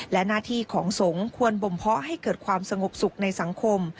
และหน้าที่ของสงฆ์ควรบมเพาะให้เกิดความสงบสุขในสังคม